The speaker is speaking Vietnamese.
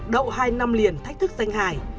đậu hai năm liền thách thức danh hài